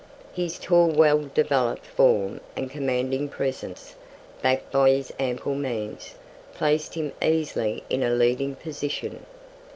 His tall, well developed form and commanding presence, backed by his ample means, placed him easily in a leading position.